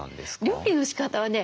料理のしかたはね